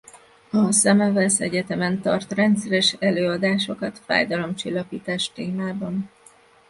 A Semmelweis Egyetemen tart rendszeres előadásokat fájdalomcsillapítás témában.